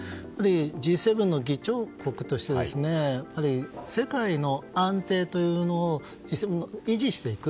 Ｇ７の議長国としてやっぱり世界の安定というのを維持していく。